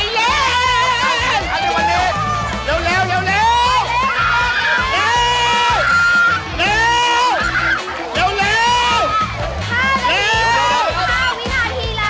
ต้องทำเลยสมจิตรฯนะคะ